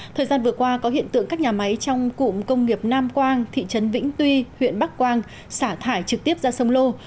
thời gian vừa qua có hiện tượng các nhà máy trong cụm công nghiệp nam quang thị trấn vĩnh tuy huyện bắc quang xả thải trực tiếp ra sông lô